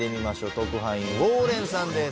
特派員ウォーレンさんです。